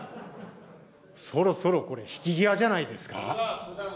そろそろこれ、引き際じゃないですか。